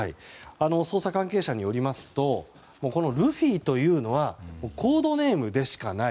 捜査関係者によりますとこのルフィというのはコードネームでしかない。